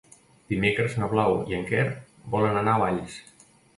Dimecres na Blau i en Quer volen anar a Valls.